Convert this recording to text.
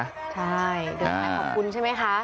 ใช่เดินไปขอบคุณใช่ไหมคะ